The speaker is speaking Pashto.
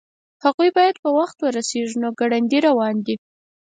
هغوی باید په وخت ورسیږي نو ګړندي روان دي